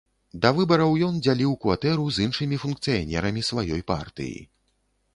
Да выбараў ён дзяліў кватэру з іншымі функцыянерамі сваёй партыі.